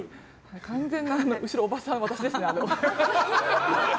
完全な後ろ、おばさん私ですね。